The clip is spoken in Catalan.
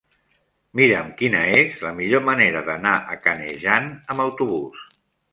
Mira'm quina és la millor manera d'anar a Canejan amb autobús.